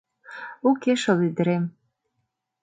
— Уке шол, ӱдырем.